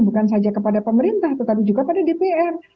bukan saja kepada pemerintah tetapi juga pada dpr